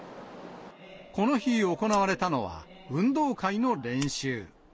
この日行われたのは、運動会の練習。